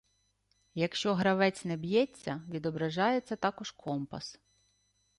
Якщо гравець не б'ється, відображається також компас.